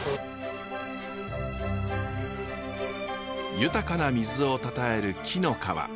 豊かな水をたたえる紀の川。